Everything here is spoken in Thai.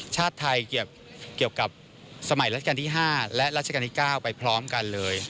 ชาติไทยเกี่ยวกับสมัยรัชกาลที่๕และรัชกาลที่๙ไปพร้อมกันเลย